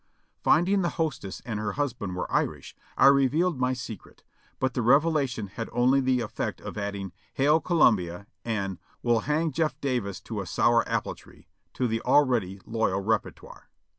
Finding the hostess and her husband were Irish, I revealed my secret, but the revelation had only the effect of adding "Hail Columbia" and "We'll hang Jeff* Davis to a sour apple tree" to the already loyal repertoire.